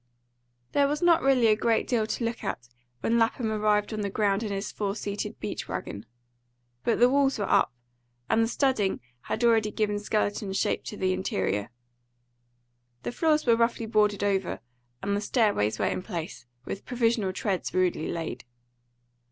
There was not really a great deal to look at when Lapham arrived on the ground in his four seated beach wagon. But the walls were up, and the studding had already given skeleton shape to the interior. The floors were roughly boarded over, and the stairways were in place, with provisional treads rudely laid.